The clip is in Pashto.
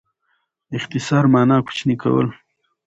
اختصار مانا؛ کوچنی کول.